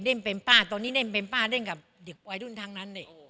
เล่นเป็นป้าตอนนี้เล่นเป็นป้า